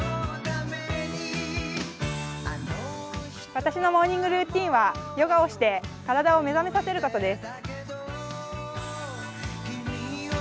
私のモーニングルーティンはヨガをして体を目覚めさせることです。